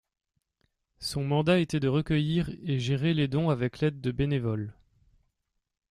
Son mandat était de recueillir et gérer les dons avec l'aide de bénévoles.